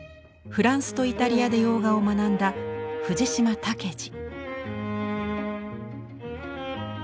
フランスとイタリアで洋画を学んだ藤島武二。